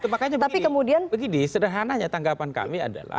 makanya begini sederhananya tanggapan kami adalah